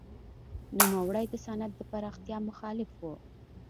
نوموړی د صنعت د پراختیا مخالف و.